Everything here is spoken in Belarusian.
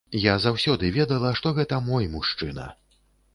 Я заўсёды ведала, што гэта мой мужчына.